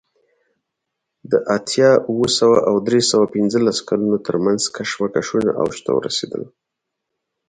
د اتیا اوه سوه او درې سوه پنځلس کلونو ترمنځ کشمکشونه اوج ته ورسېدل